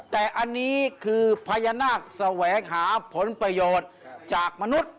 แต่อันนี้คือพญานาคแสวงหาผลประโยชน์จากมนุษย์